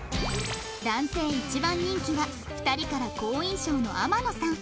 男性一番人気は２人から好印象の天野さん